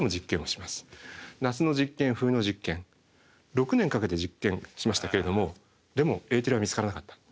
６年かけて実験しましたけれどもでもエーテルは見つからなかった。